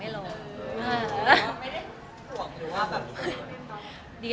แฟนคลับของคุณไม่ควรเราอะไรไง